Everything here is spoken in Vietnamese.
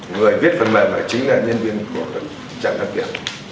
người viết phần mềm là chính là nhân viên của các trang đăng kiểm